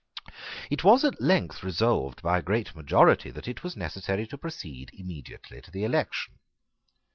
It was at length resolved by a great majority that it was necessary to proceed immediately to the election.